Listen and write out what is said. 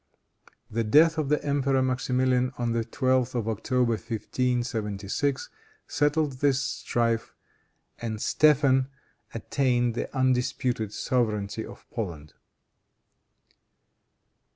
The death of the Emperor Maximilian on the 12th of October, 1576, settled this strife, and Stephen attained the undisputed sovereignty of Poland.